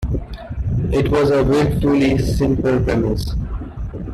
It was a wilfully simple premise.